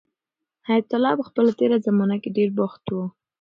حیات الله په خپل تېره زمانه کې ډېر بوخت و.